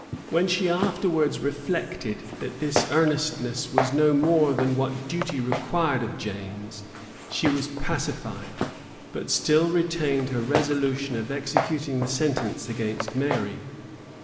When she afterwards reflected, that this earnestness was no more than what duty required of James, she was pacified; but still retained her resolution of executing the sentence against Mary.